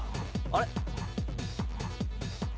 あれ？